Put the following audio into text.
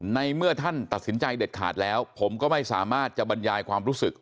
ในเมื่อท่านตัดสินใจเด็ดขาดแล้วผมก็ไม่สามารถจะบรรยายความรู้สึก